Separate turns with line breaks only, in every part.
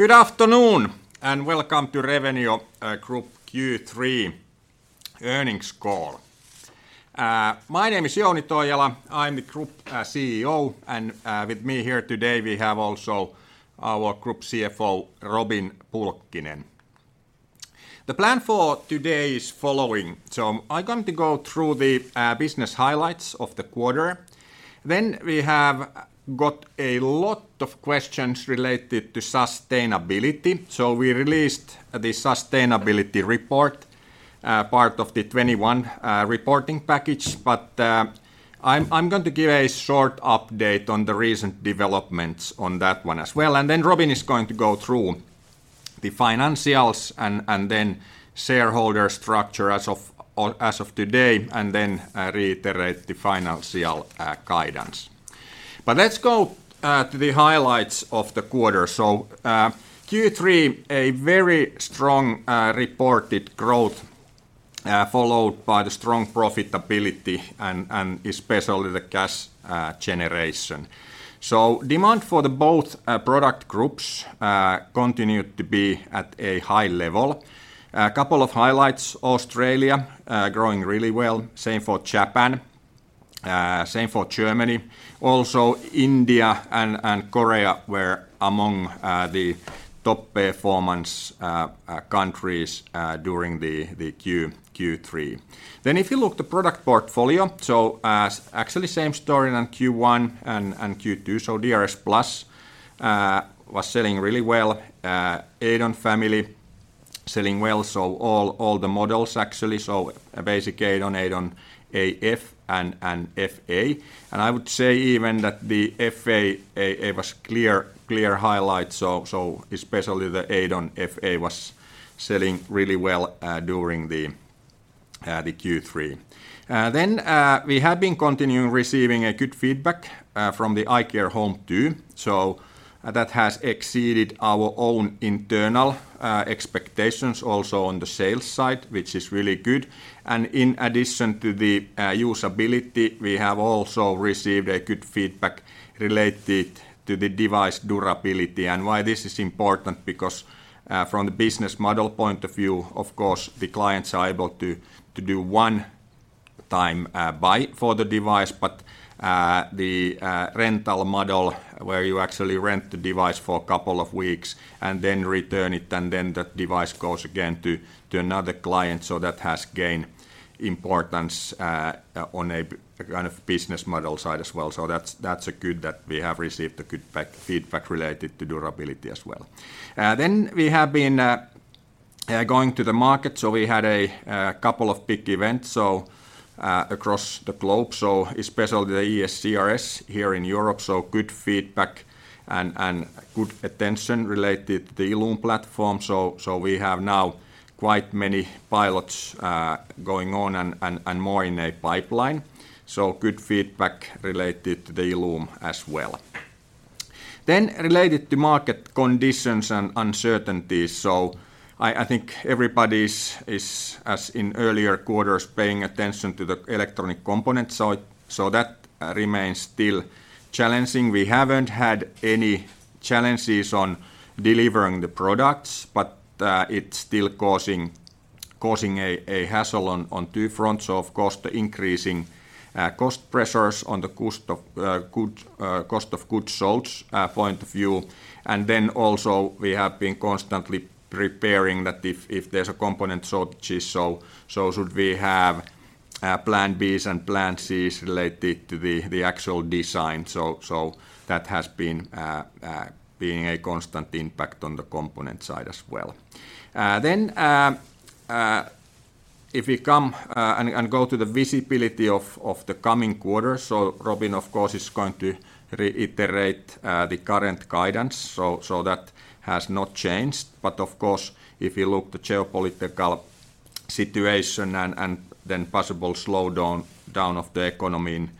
Good afternoon, and welcome to Revenio Group Q3 Earnings Call. My name is Jouni Toijala. I'm the Group CEO, and with me here today we have also our Group CFO, Robin Pulkkinen. The plan for today is following. I'm going to go through the business highlights of the quarter, then we have got a lot of questions related to sustainability, so we released the sustainability report part of the 2021 reporting package. I'm going to give a short update on the recent developments on that one as well. Then Robin is going to go through the financials and then shareholder structure as of today, and then reiterate the financial guidance. Let's go to the highlights of the quarter. Q3, a very strong reported growth followed by the strong profitability and especially the cash generation. Demand for both product groups continued to be at a high level. A couple of highlights. Australia growing really well, same for Japan, same for Germany. Also India and Korea were among the top performing countries during Q3. If you look at the product portfolio, actually same story on Q1 and Q2. DRSplus was selling really well, EIDON family selling well, all the models actually. A basic EIDON AF and FA. I would say even the FA it was clear highlight, especially the EIDON FA was selling really well during Q3. We have been continuing receiving a good feedback from the iCare HOME2. That has exceeded our own internal expectations also on the sales side, which is really good. In addition to the usability, we have also received a good feedback related to the device durability. Why this is important because from the business model point of view, of course the clients are able to, to do one time buy for the device, but the rental model where you actually rent the device for a couple of weeks and then return it, and then that device goes again to another client, so that has gained importance on a kind of business model side as well. That's good that we have received good feedback related to durability as well. We have been going to the market, we had a couple of big events across the globe. Especially the ESCRS here in Europe, good feedback and good attention related to the ILLUME platform. We have now quite many pilots going on and more in a pipeline. Good feedback related to the ILLUME as well. Related to market conditions and uncertainties, I think everybody is, as in earlier quarters, paying attention to the electronic components. That remains still challenging. We haven't had any challenges on delivering the products, but it's still causing a hassle on two fronts. Of course, the increasing cost pressures on the cost of goods sold point of view. We have been constantly preparing that if there's component shortages, we should have plan B's and plan C's related to the actual design. That has been a constant impact on the component side as well. If we come and go to the visibility of the coming quarters, Robin of course is going to reiterate the current guidance, that has not changed. Of course if you look at the geopolitical situation and then possible slowdown of the economy in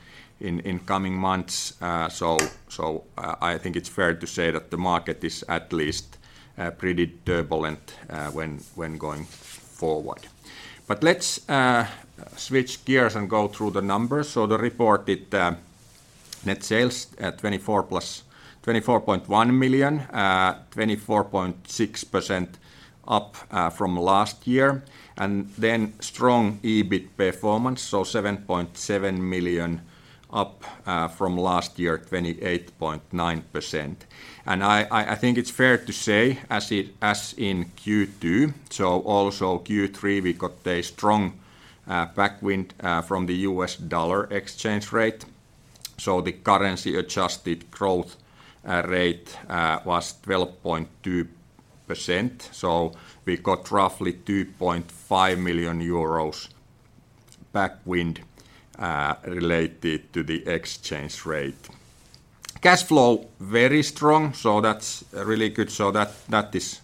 coming months, I think it's fair to say that the market is at least pretty turbulent when going forward. Let's switch gears and go through the numbers. The reported net sales at 24.1 million, 24.6% up from last year. Then strong EBIT performance, so 7.7 million up from last year, 28.9%. I think it's fair to say as in Q2, so also Q3 we got a strong tailwind from the US dollar exchange rate. The currency adjusted growth rate was 12.2%, so we got roughly 2.5 million euros tailwind related to the exchange rate. Cash flow, very strong, so that's really good. That is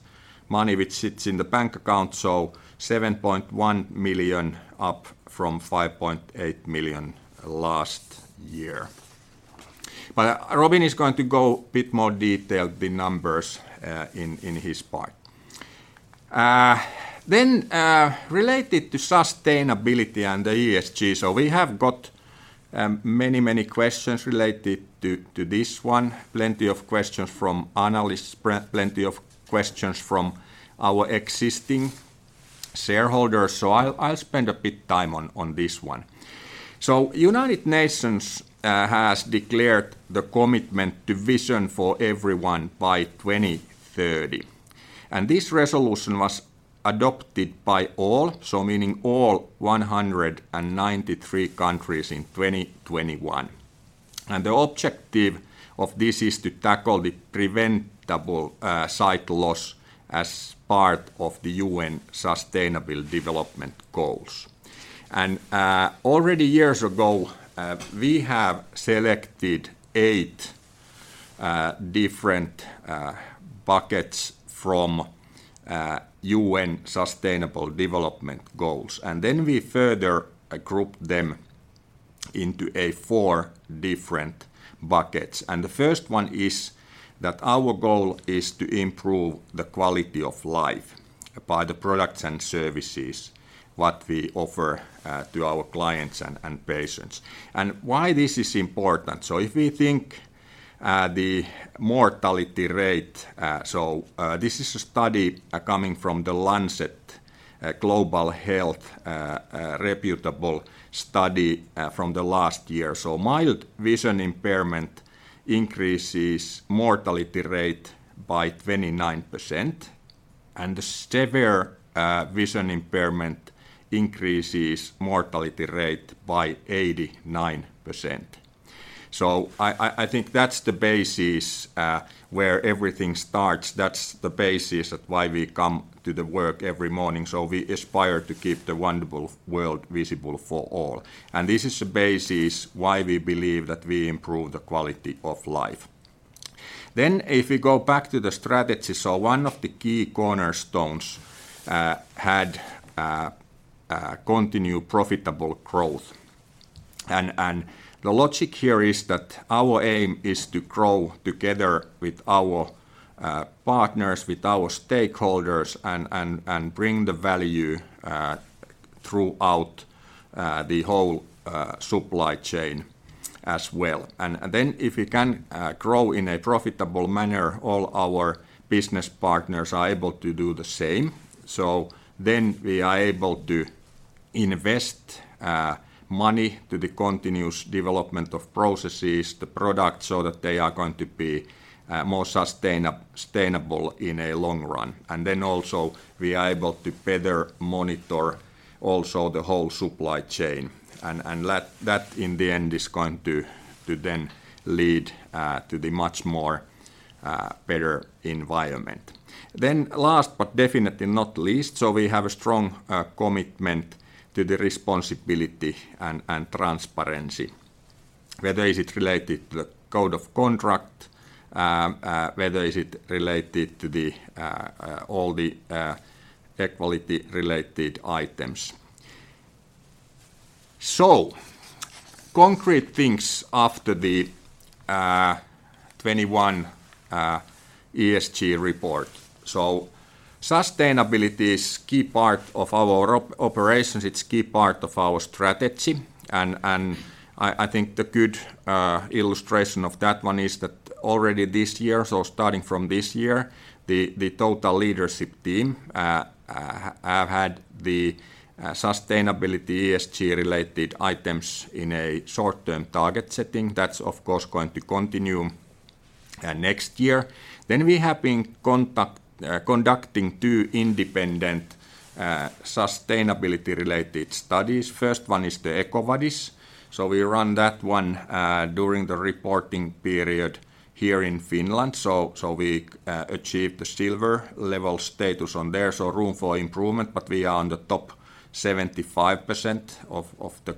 money which sits in the bank account, so 7.1 million up from 5.8 million last year. Robin is going to go a bit more detailed the numbers in his part. Then related to sustainability and the ESG. We have got many questions related to this one, plenty of questions from analysts, plenty of questions from our existing shareholders. I'll spend a bit time on this one. United Nations has declared the commitment to vision for everyone by 2030, and this resolution was adopted by all, meaning all 193 countries in 2021. The objective of this is to tackle the preventable sight loss as part of the UN Sustainable Development Goals. Already years ago, we have selected 8 different buckets from UN Sustainable Development Goals. Then we further group them into four different buckets. The first one is that our goal is to improve the quality of life by the products and services what we offer to our clients and patients. Why this is important. If we think the mortality rate, this is a study coming from The Lancet Global Health, reputable study from the last year. Mild vision impairment increases mortality rate by 29%, and the severe vision impairment increases mortality rate by 89%. I think that's the basis where everything starts. That's the basis of why we come to the work every morning. We aspire to keep the wonderful world visible for all, and this is the basis why we believe that we improve the quality of life. If we go back to the strategy, one of the key cornerstones had continue profitable growth. The logic here is that our aim is to grow together with our partners, with our stakeholders, and bring the value throughout the whole supply chain as well. If we can grow in a profitable manner, all our business partners are able to do the same. We are able to invest money to the continuous development of processes, the product, so that they are going to be more sustainable in a long run. Then also we are able to better monitor also the whole supply chain, and let that, in the end, is going to then lead to the much more better environment. Last, but definitely not least, we have a strong commitment to the responsibility and transparency, whether it is related to the code of conduct, whether it is related to all the equality-related items. Concrete things after the 2021 ESG report. Sustainability is key part of our operations. It's key part of our strategy, and I think the good illustration of that one is that already this year, starting from this year, the total leadership team have had the sustainability ESG-related items in a short-term target setting. That's, of course, going to continue next year. We have been conducting two independent sustainability-related studies. First one is the EcoVadis. We run that one during the reporting period here in Finland. We achieved the silver level status on there, so room for improvement, but we are on the top 75% of the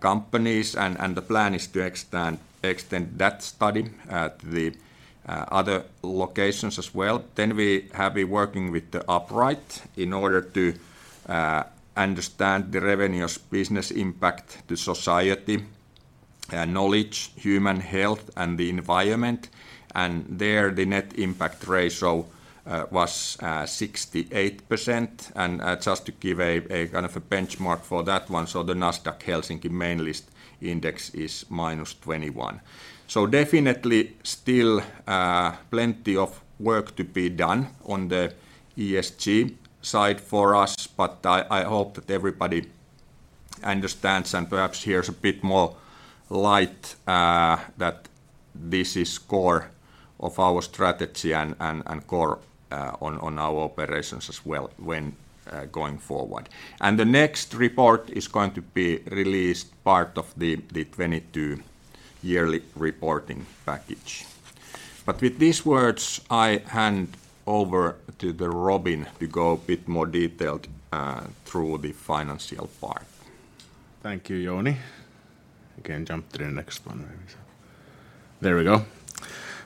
companies. The plan is to extend that study at the other locations as well. We have been working with the Upright in order to understand the Revenio's business impact to society, knowledge, human health, and the environment. There, the net impact ratio was 68%. Just to give a kind of a benchmark for that one, the Nasdaq Helsinki main list index is -21%. Definitely still plenty of work to be done on the ESG side for us, but I hope that everybody understands and perhaps hears a bit more light that this is core of our strategy and core on our operations as well when going forward. The next report is going to be released part of the 2022 yearly reporting package. With these words, I hand over to Robin to go a bit more detailed through the financial part.
Thank you, Jouni. You can jump to the next one, maybe. There we go.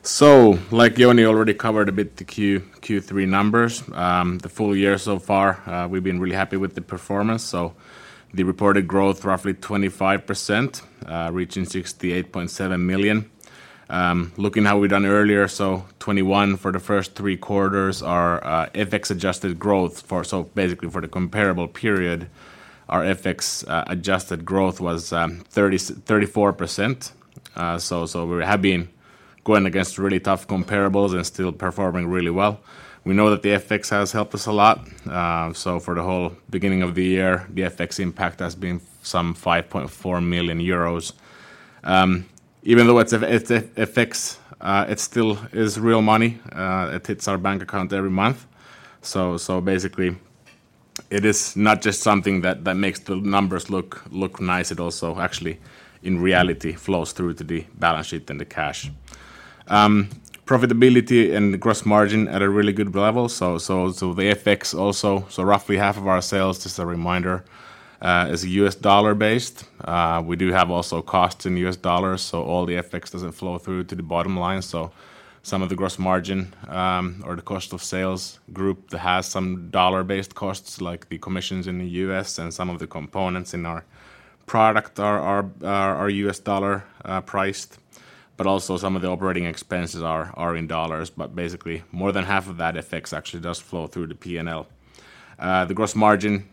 Like Jouni already covered a bit the Q3 numbers. The full year so far, we've been really happy with the performance. The reported growth roughly 25%, reaching 68.7 million. Looking how we've done earlier, 2021 for the first three quarters, our FX adjusted growth, basically for the comparable period, our FX adjusted growth was 34%. We have been going against really tough comparables and still performing really well. We know that the FX has helped us a lot. For the whole beginning of the year, the FX impact has been some 5.4 million euros. Even though it's FX, it still is real money. It hits our bank account every month. Basically it is not just something that makes the numbers look nice, it also actually in reality flows through to the balance sheet and the cash. Profitability and the gross margin at a really good level. The FX also, roughly half of our sales, just a reminder, is US dollar-based. We do have also costs in US dollars, so all the FX doesn't flow through to the bottom line. Some of the gross margin or the cost of sales group that has some dollar-based costs like the commissions in the U.S. and some of the components in our product are US dollar priced, but also some of the operating expenses are in dollars. Basically more than half of that FX actually does flow through to P&L. The gross margin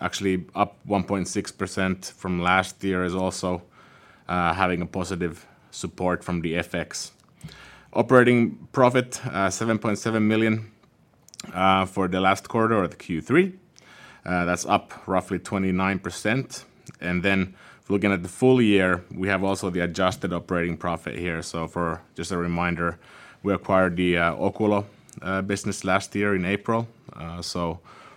actually up 1.6% from last year is also having a positive support from the FX. Operating profit 7.7 million for the last quarter or the Q3. That's up roughly 29%. If we looking at the full year, we have also the adjusted operating profit here. For just a reminder, we acquired the Oculo business last year in April.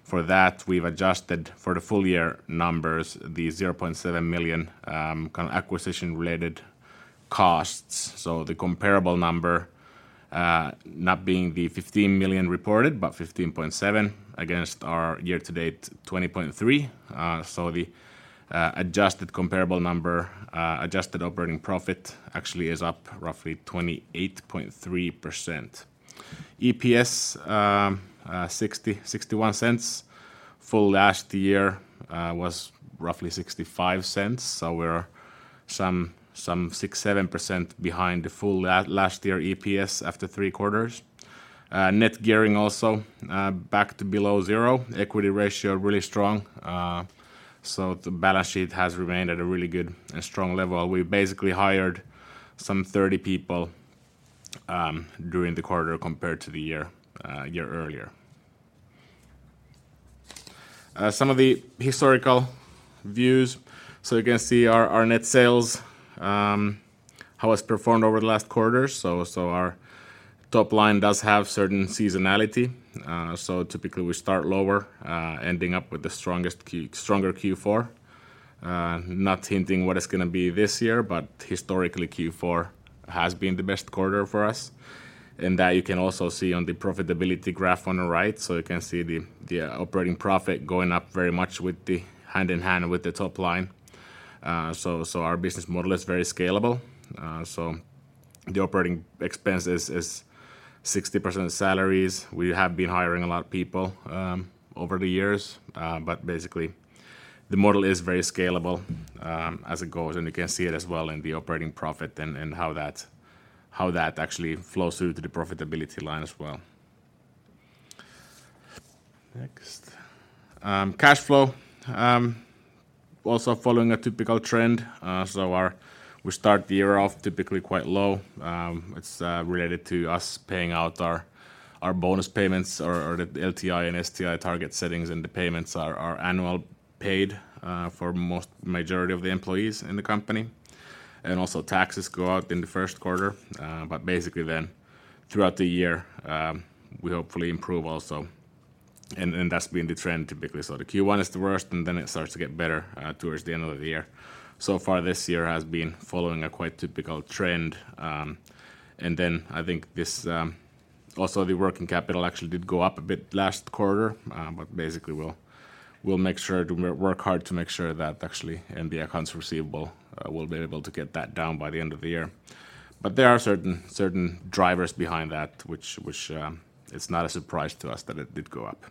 For that, we've adjusted for the full year numbers, the 0.7 million kind of acquisition-related costs. The comparable number not being the 15 million reported, but 15.7 million against our year to date, 20.3 million. The adjusted comparable number adjusted operating profit actually is up roughly 28.3%. EPS 0.61. Full last year was roughly 0.65, we're some 6% to 7% behind the full last year EPS after three quarters. Net gearing also back to below zero. Equity ratio really strong. The balance sheet has remained at a really good and strong level. We basically hired some 30 people during the quarter compared to the year earlier. Some of the historical views. You can see our net sales how it's performed over the last quarter. Our top line does have certain seasonality. Typically we start lower ending up with the stronger Q4. Not hinting what it's gonna be this year, but historically, Q4 has been the best quarter for us. That you can also see on the profitability graph on the right. You can see operating profit going up very much hand in hand with the top line. Our business model is very scalable. The operating expenses is 60% salaries. We have been hiring a lot of people over the years. Basically the model is very scalable, as it goes, and you can see it as well in the operating profit and how that actually flows through to the profitability line as well. Next. Cash flow also following a typical trend. We start the year off typically quite low. It's related to us paying out our bonus payments or the LTI and STI target settings, and the payments are annually paid for majority of the employees in the company. Taxes go out in the Q1. Basically then throughout the year, we hopefully improve also. That's been the trend typically. The Q1 is the worst, and then it starts to get better towards the end of the year. So far this year has been following a quite typical trend. I think this also the working capital actually did go up a bit last quarter. Basically we'll make sure to work hard to make sure that actually in the accounts receivable, we'll be able to get that down by the end of the year. There are certain drivers behind that which it's not a surprise to us that it did go up.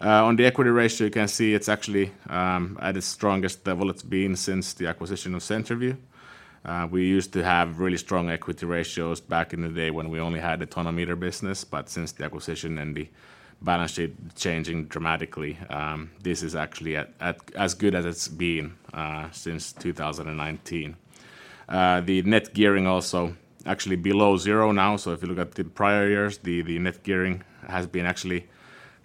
On the equity ratio, you can see it's actually at its strongest level it's been since the acquisition of CenterVue. We used to have really strong equity ratios back in the day when we only had the tonometer business. Since the acquisition and the balance sheet changing dramatically, this is actually as good as it's been since 2019. The net gearing also actually below zero now. If you look at the prior years, the net gearing has been actually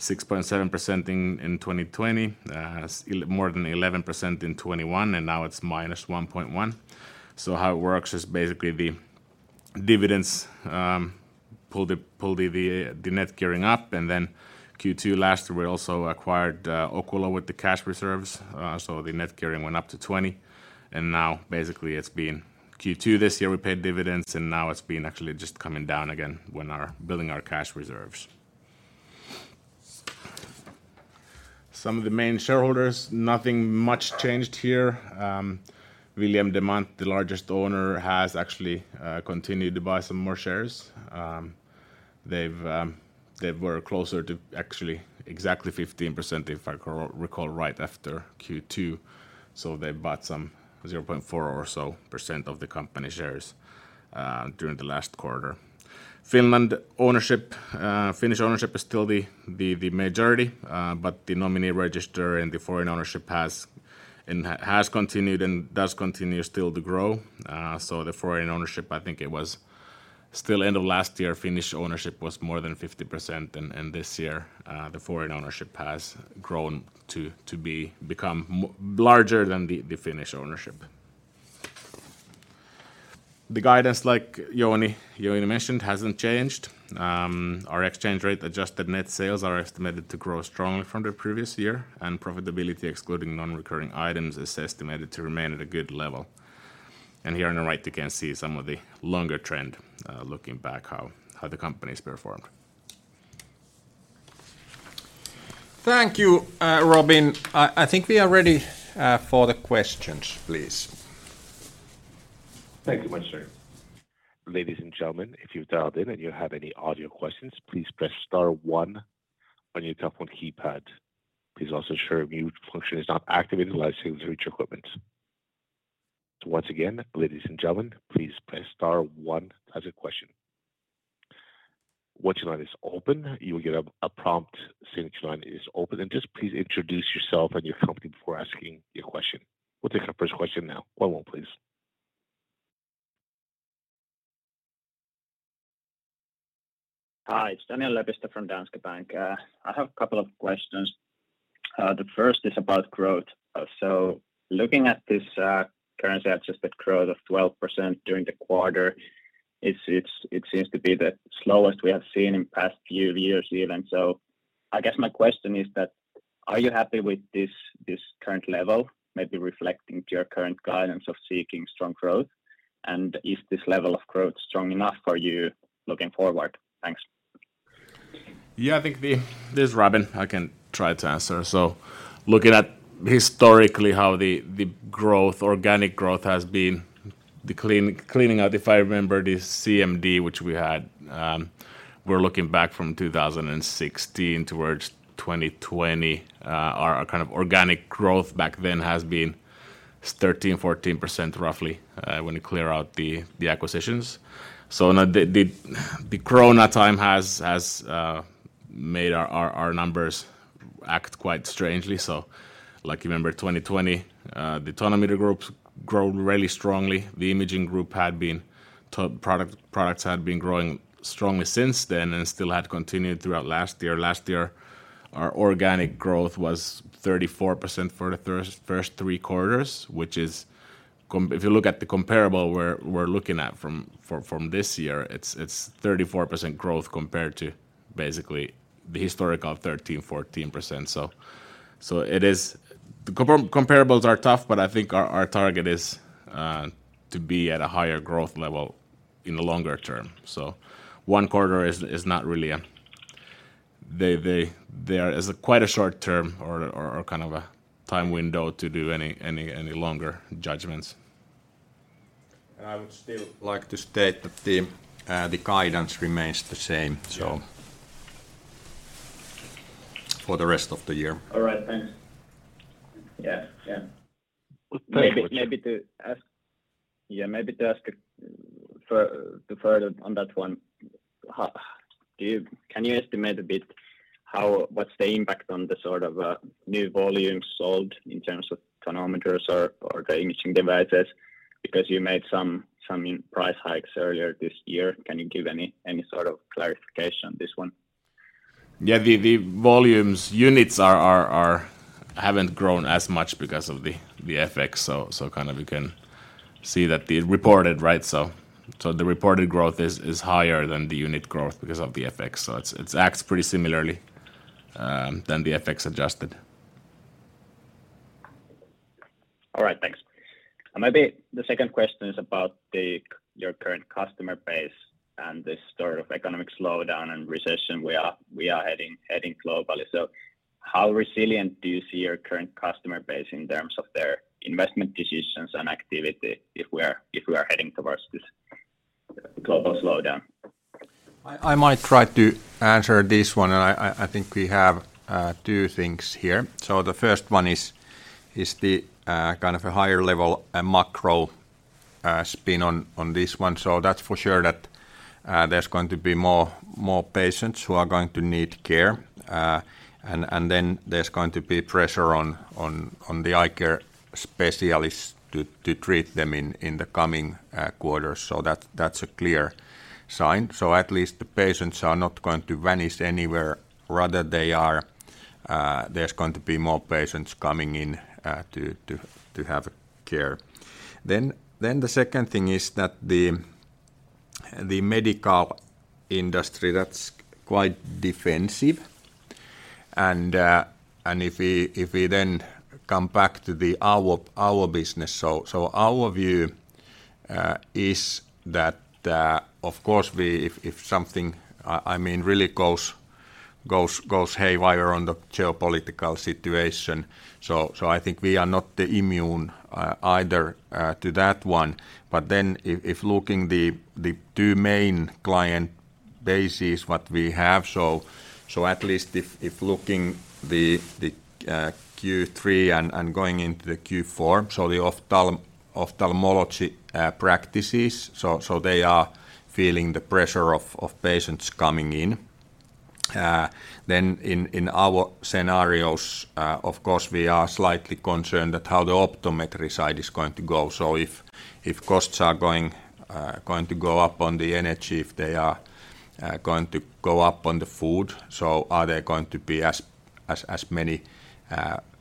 6.7% in 2020, more than 11% in 2021, and now it's minus 1.1%. How it works is basically the dividends pull the net gearing up, and then Q2 last year we also acquired Oculo with the cash reserves. The net gearing went up to 20, and now it's Q2 this year we paid dividends, and now it's actually just coming down again when building our cash reserves. Some of the main shareholders, nothing much changed here. William Demant, the largest owner, has actually continued to buy some more shares. They've, they were closer to actually exactly 15% if I recall right after Q2. They bought some 0.4% or so of the company shares during the last quarter. Finland ownership. Finnish ownership is still the majority, but the nominee register and the foreign ownership has continued and does continue still to grow. So the foreign ownership, I think it was still end of last year, Finnish ownership was more than 50% and this year, the foreign ownership has grown to become larger than the Finnish ownership. The guidance, like Jouni mentioned, hasn't changed. Our exchange rate adjusted net sales are estimated to grow strongly from the previous year, and profitability excluding non-recurring items is estimated to remain at a good level. Here on the right you can see some of the longer trend, looking back how the company's performed.
Thank you, Robin. I think we are ready for the questions, please.
Thank you much, sir. Ladies and gentlemen, if you've dialed in and you have any audio questions, please press star one on your telephone keypad. Please also ensure mute function is not activated unless, say, to mute your equipment. Once again, ladies and gentlemen, please press star one to ask a question. Once your line is open, you will get a prompt saying your line is open, and just please introduce yourself and your company before asking your question. We'll take our first question now. One one, please.
Hi, it's Daniel Lepistö from Danske Bank. I have a couple of questions. The first is about growth. Looking at this, currency adjusted growth of 12% during the quarter, it seems to be the slowest we have seen in past few years even. I guess my question is that, are you happy with this current level, maybe reflecting to your current guidance of seeking strong growth? And is this level of growth strong enough for you looking forward? Thanks.
This is Robin. I can try to answer. Looking at historically how the organic growth has been, the cleaning out, if I remember, the CMD which we had, we're looking back from 2016 towards 2020. Our kind of organic growth back then has been 13%, 14% roughly, when you clear out the acquisitions. Now the corona time has made our numbers act quite strangely. Like you remember 2020, the tonometer group has grown really strongly. The imaging group products had been growing strongly since then and still had continued throughout last year. Last year, our organic growth was 34% for the first three quarters. If you look at the comparables we're looking at from this year, it's 34% growth compared to basically the historical of 13% to 14%. The comparables are tough, but I think our target is to be at a higher growth level in the longer term. One quarter is not really. They are quite a short-term or kind of a time window to do any longer judgments.
I would still like to state that the guidance remains the same.
Yeah
for the rest of the year.
All right, thanks.
Well, thank you.
Maybe to ask a further on that one. Can you estimate a bit what's the impact on the sort of new volumes sold in terms of tonometer or the imaging devices? Because you made some price hikes earlier this year. Can you give any sort of clarification on this one?
Yeah. The volume units haven't grown as much because of the FX. Kind of you can see that the reported, right? The reported growth is higher than the unit growth because of the FX. It acts pretty similarly than the FX adjusted.
All right, thanks. Maybe the second question is about the, your current customer base and this sort of economic slowdown and recession we are heading globally. How resilient do you see your current customer base in terms of their investment decisions and activity if we are heading towards this global slowdown?
I might try to answer this one, and I think we have two things here. The first one is kind of a higher level, a macro spin on this one. That's for sure that there's going to be more patients who are going to need care, and then there's going to be pressure on the eye care specialists to treat them in the coming quarters. That's a clear sign. At least the patients are not going to vanish anywhere. Rather, there's going to be more patients coming in to have care. The second thing is that the medical industry, that's quite defensive. If we then come back to our business, our view is that of course, if something I mean really goes haywire on the geopolitical situation, I think we are not immune either to that one. If looking at the two main client bases that we have, at least if looking at the Q3 and going into the Q4, the ophthalmology practices, they are feeling the pressure of patients coming in. Then in our scenarios, of course, we are slightly concerned at how the optometry side is going to go. If costs are going to go up on the energy, if they are going to go up on the food, are there going to be as many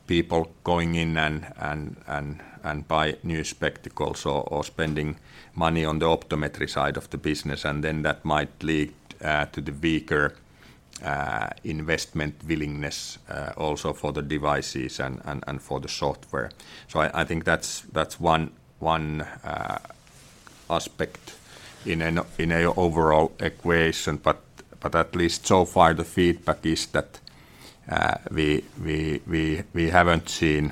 people going in and buy new spectacles or spending money on the optometry side of the business? That might lead to the weaker investment willingness also for the devices and for the software. I think that's one aspect in an overall equation. At least so far the feedback is that we haven't seen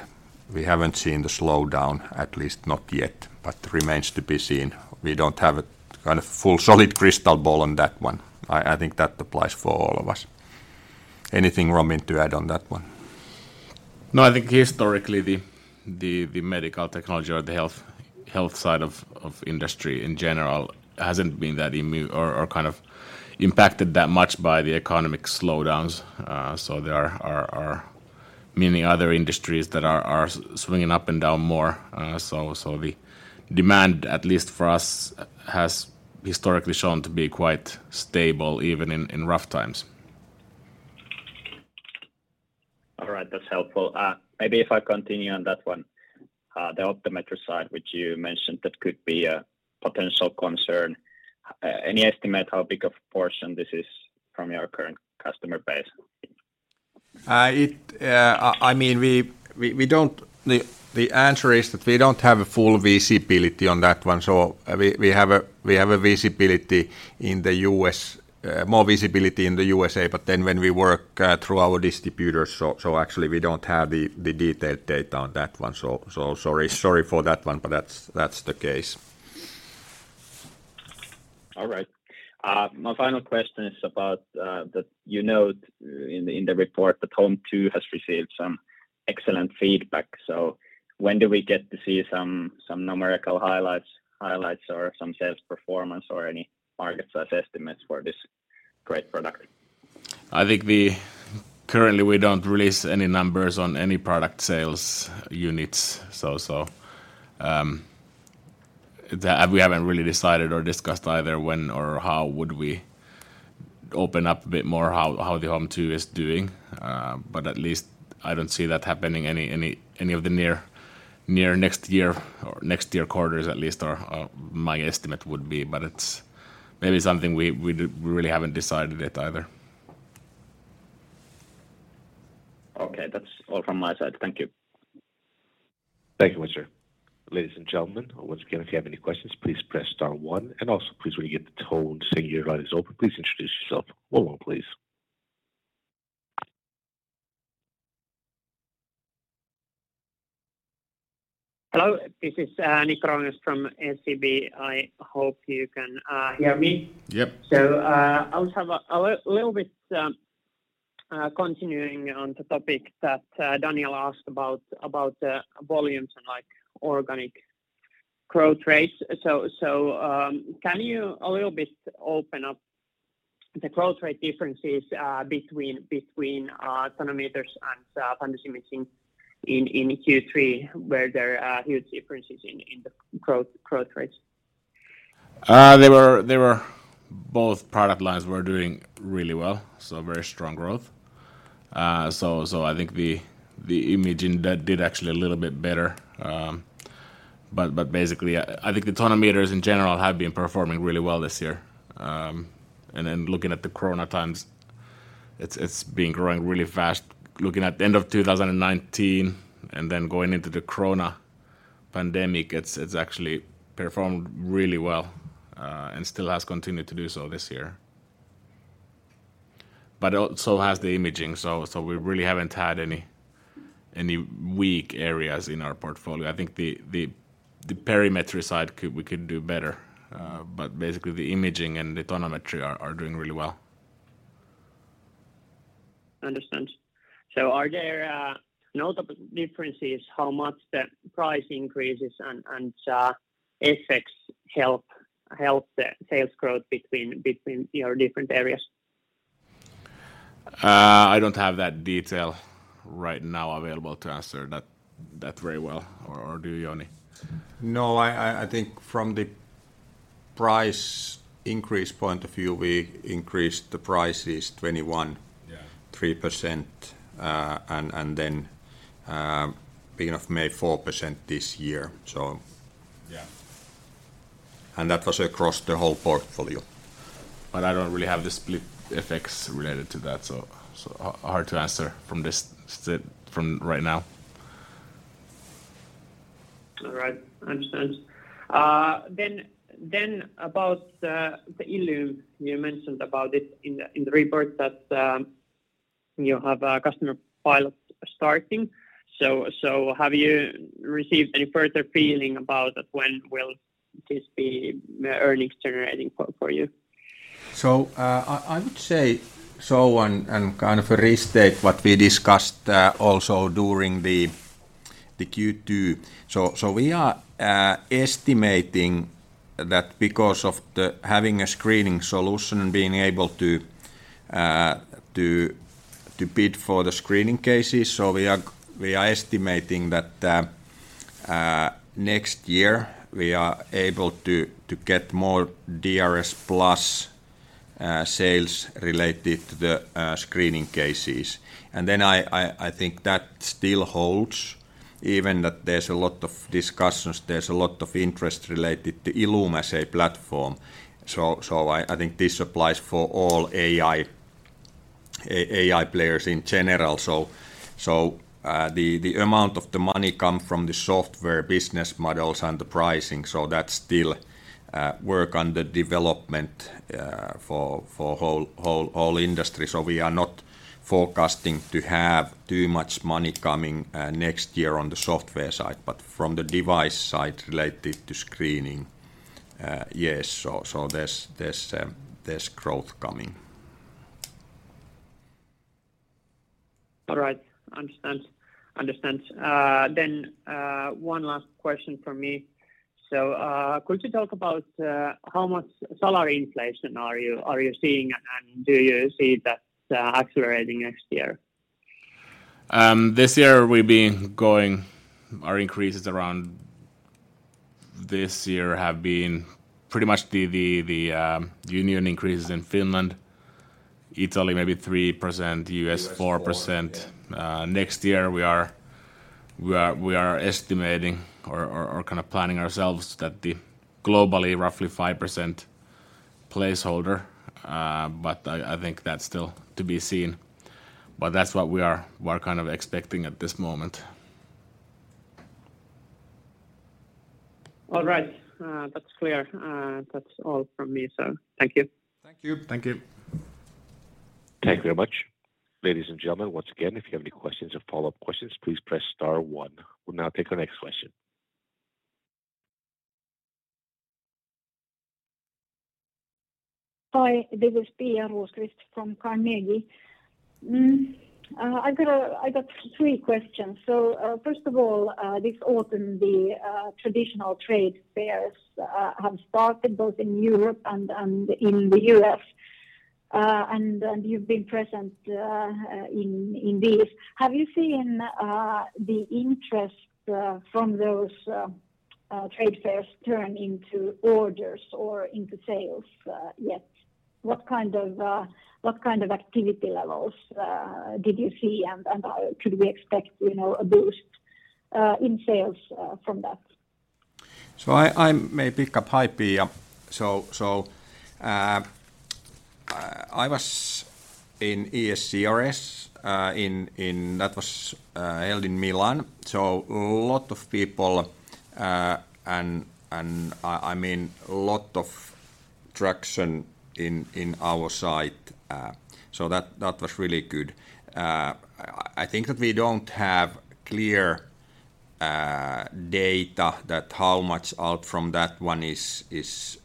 the slowdown, at least not yet. Remains to be seen. We don't have a kind of full solid crystal ball on that one. I think that applies for all of us. Anything, Robin Pulkkinen, to add on that one?
No. I think historically the medical technology or the health side of industry in general hasn't been that immune or kind of impacted that much by the economic slowdowns. There are many other industries that are swinging up and down more. The demand, at least for us, has historically shown to be quite stable even in rough times.
All right. That's helpful. Maybe if I continue on that one. The optometry side, which you mentioned that could be a potential concern, any estimate how big of a portion this is from your current customer base?
I mean, the answer is that we don't have a full visibility on that one, so we have visibility in the U.S., more visibility in the USA, but then when we work through our distributors, actually we don't have the detailed data on that one. So sorry for that one, but that's the case.
All right. My final question is about that you note in the report that HOME2 has received some excellent feedback. When do we get to see some numerical highlights or some sales performance or any market size estimates for this great product?
I think we currently don't release any numbers on any product sales units, so we haven't really decided or discussed either when or how would we open up a bit more how the HOME2 is doing. At least I don't see that happening any of the near next year or next year quarters at least, or my estimate would be. It's maybe something we really haven't decided yet either.
Okay. That's all from my side. Thank you.
Thank you, mister. Ladies and gentlemen, once again, if you have any questions, please press star one. Also please when you get the tone saying your line is open, please introduce yourself. one one, please.
Hello. This is Niko Ronés from SEB. I hope you can hear me.
Yep.
I'll have a little bit continuing on the topic that Daniel asked about, the volumes and, like, organic growth rates. Can you a little bit open up the growth rate differences between tonometer and fundus imaging in Q3 where there are huge differences in the growth rates?
Both product lines were doing really well, so very strong growth. I think the imaging did actually a little bit better. Basically, I think the tonometer in general have been performing really well this year. Looking at the Corona times, it's been growing really fast. Looking at the end of 2019 and then going into the Corona pandemic, it's actually performed really well and still has continued to do so this year. Also has the imaging, so we really haven't had any weak areas in our portfolio. I think the perimetry side we could do better, but basically the imaging and the tonometry are doing really well.
Understand. Are there notable differences how much the price increases and FX help the sales growth between your different areas?
I don't have that detail right now available to answer that very well. Do you, Jouni?
No. I think from the price increase point of view, we increased the prices 21%.
Yeah
3%, and then beginning of May, 4% this year.
Yeah.
That was across the whole portfolio.
I don't really have the split effects related to that, so hard to answer from right now.
All right. Understand. Then about the ILLUME, you mentioned about it in the report that you have a customer pilot starting. Have you received any further feeling about that? When will this be earnings generating for you?
I would say so, and kind of restate what we discussed also during the Q2. We are estimating that because of having a screening solution and being able to bid for the screening cases. Next year we are able to get more DRSplus sales related to the screening cases. Then I think that still holds even that there's a lot of discussions, there's a lot of interest related to ILLUME as a platform. I think this applies for all AI players in general. The amount of the money come from the software business models and the pricing, so that's still work under development for whole all industry. We are not forecasting to have too much money coming next year on the software side, but from the device side related to screening, yes. There's growth coming.
All right. Understand. One last question from me. Could you talk about how much salary inflation are you seeing, and do you see that accelerating next year?
This year our increases have been pretty much the union increases in Finland, Italy, maybe 3%. U.S. 4%. Next year we are estimating or kind of planning ourselves that the globally roughly 5% placeholder, but I think that's still to be seen, but that's what we are, we're kind of expecting at this moment.
All right. That's clear. That's all from me, so thank you.
Thank you.
Thank you.
Thank you very much. Ladies and gentlemen, once again, if you have any questions or follow-up questions, please press star one. We'll now take our next question.
Hi, this is Pia Rosqvist-Heinsalmi from Carnegie. I got three questions. First of all, this autumn the traditional trade fairs have started both in Europe and in the U.S., and you've been present in these. Have you seen the interest from those trade fairs turn into orders or into sales yet? What kind of activity levels did you see, and should we expect, you know, a boost in sales from that?
I may pick up. Hi, Pia. I was in ESCRS that was held in Milan. Lot of people and I mean lot of traction in our side. That was really good. I think that we don't have clear data that how much out from that one is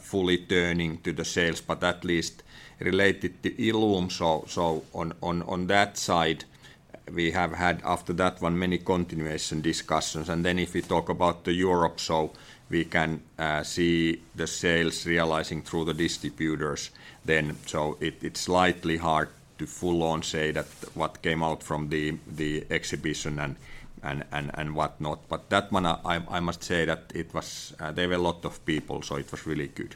fully turning to the sales, but at least related to ILLUME, so on that side, we have had after that one many continuation discussions. If we talk about Europe, we can see the sales realizing through the distributors then. It's slightly hard to fully say that what came out from the exhibition and whatnot. I must say that it was, there were a lot of people, so it was really good.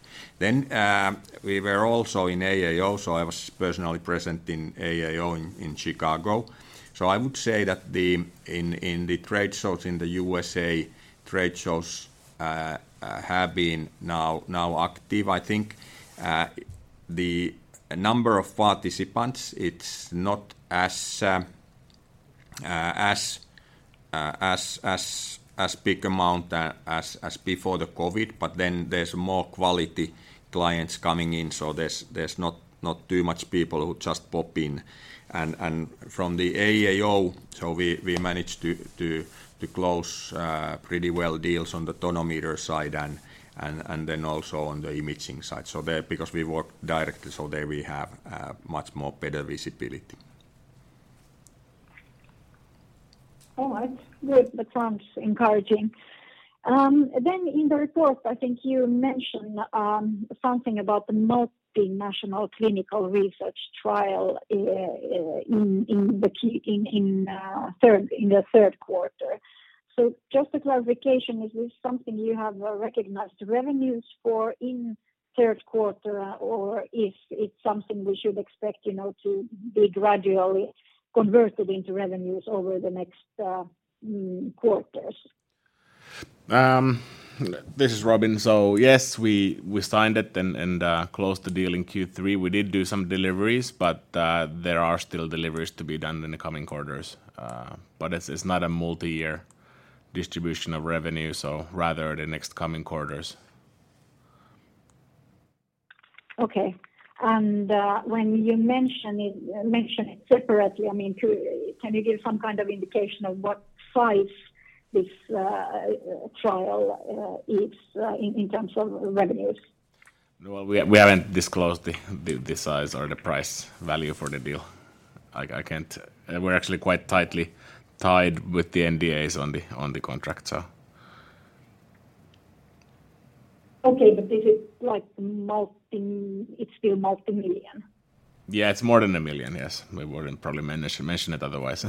We were also in AAO, so I was personally present in AAO in Chicago. I would say that in the trade shows in the USA, trade shows have been now active. I think the number of participants, it's not as big amount as before the COVID, but then there's more quality clients coming in. There's not too much people who just pop in. From the AAO, we managed to close pretty well deals on the tonometer side and then also on the imaging side. There, because we work directly, there we have much more better visibility.
All right. Good. That sounds encouraging. In the report, I think you mentioned something about the multinational clinical research trial in the Q3. Just a clarification, is this something you have recognized revenues for in Q3, or is it something we should expect, you know, to be gradually converted into revenues over the next quarters?
This is Robin. Yes, we signed it and closed the deal in Q3. We did do some deliveries, but there are still deliveries to be done in the coming quarters. It's not a multi-year distribution of revenue, so rather the next coming quarters.
Okay. When you mention it, mention it separately, I mean. Can you give some kind of indication of what size this trial is in terms of revenues?
No, we haven't disclosed the size or the price value for the deal. I can't. We're actually quite tightly tied with the NDAs on the contract, so.
Okay. Is it like it's still multi-million?
Yeah, it's more than 1 million, yes. We wouldn't probably mention it otherwise.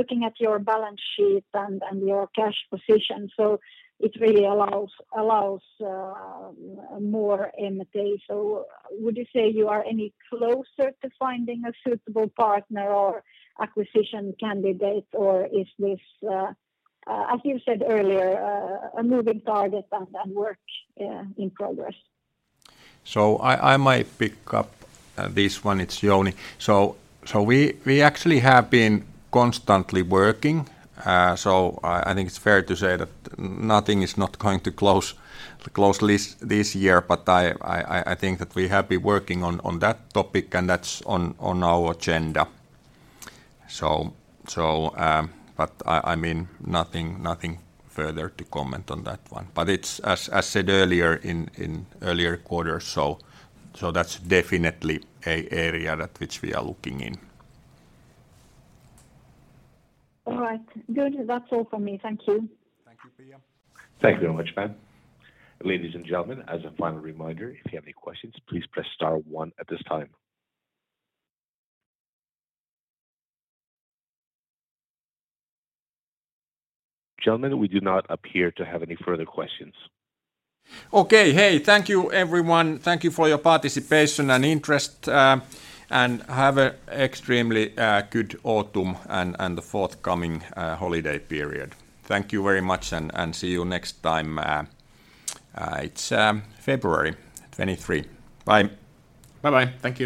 Looking at your balance sheet and your cash position, it really allows more M&A. Would you say you are any closer to finding a suitable partner or acquisition candidate, or is this, as you said earlier, a moving target and work in progress?
I might pick up this one. It's Jouni. We actually have been constantly working, so I think it's fair to say that nothing is not going to close this year, but I think that we have been working on that topic, and that's on our agenda. But I mean, nothing further to comment on that one. It's as said earlier in earlier quarters, so that's definitely an area that we are looking into.
All right. Good. That's all for me. Thank you.
Thank you, Pia.
Thank you very much, ma'am. Ladies and gentlemen, as a final reminder, if you have any questions, please press star one at this time. Gentlemen, we do not appear to have any further questions.
Okay. Hey, thank you, everyone. Thank you for your participation and interest, and have a extremely good autumn and the forthcoming holiday period. Thank you very much and see you next time, it's February 23. Bye.
Bye-bye. Thank you.